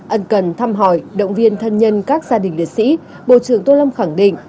ân cần thăm hỏi động viên thân nhân các gia đình liệt sĩ bộ trưởng tô lâm khẳng định